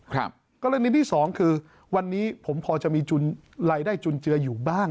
กรณีที่สองคือวันนี้ผมพอจะมีรายได้จุนเจืออยู่บ้าง